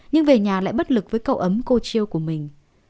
nhưng về nhà lại bất lực với cậu ấm cô chiêu của mình